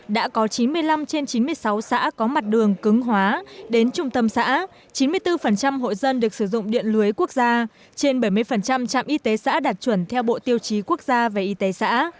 đã có chín mươi năm trên chín mươi sáu xã có mặt đường cứng hóa đến trung tâm xã chín mươi bốn hội dân được sử dụng điện lưới quốc gia trên bảy mươi trạm y tế xã đạt chuẩn theo bộ tiêu chí quốc gia về y tế xã